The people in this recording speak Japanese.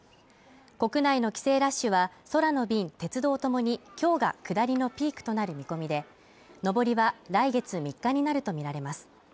国内の帰省ラッシュは空の便、鉄道ともに今日が下りのピークとなる見込みで上りは来月３日になるとみられます